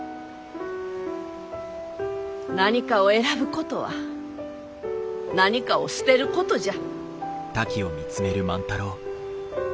何かを選ぶことは何かを捨てることじゃ。